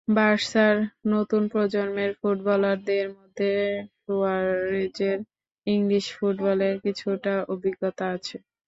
বার্সার নতুন প্রজন্মের ফুটবলারদের মধ্যে সুয়ারেজের ইংলিশ ফুটবলের কিছুটা অভিজ্ঞতা আছে।